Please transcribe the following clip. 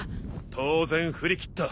当然振り切った。